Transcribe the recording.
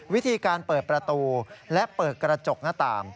วิธีการเปิดประตูและเปิดกระจกหน้าต่าง